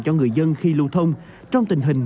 cho người dân khi lưu thông trong tình hình